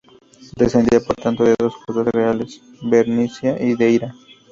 Descendía por tanto de dos casas reales: Bernicia y Deira.